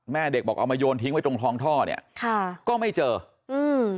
แม่เด็กบอกเอามาโยนทิ้งไว้ตรงคลองท่อเนี้ยค่ะก็ไม่เจออืม